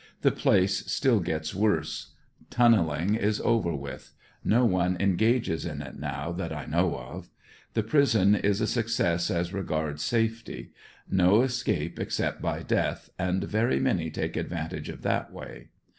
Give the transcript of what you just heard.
The place still gets worse. Tunneling is over with; no one engages in it now that I know of. The priso:: is a success as regards safety; no escape except by death, and very many take advantage of that way.